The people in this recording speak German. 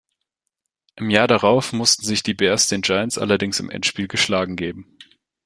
Im Jahr darauf mussten sich die Bears den Giants allerdings im Endspiel geschlagen geben.